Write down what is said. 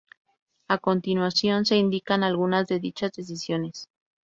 A continuación se indican algunas de dichas decisiones.